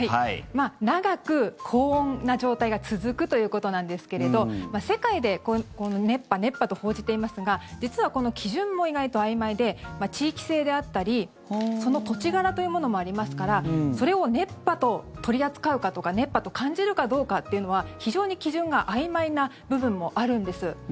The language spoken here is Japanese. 長く高温な状態が続くということなんですけれど世界で熱波、熱波と報じていますが実はこの基準も意外とあいまいで地域性であったりその土地柄というものもありますからそれを熱波と取り扱うかとか熱波と感じるかどうかというのは非常に基準があいまいな部分もあるんです。